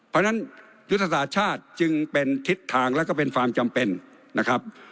เพราะฉะนั้นยุทธศาสตร์ชาติจึงเป็นทิศทางและก็เป็นความจำเป็นนะครับ